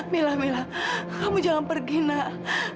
mila mila kamu jangan pergi nak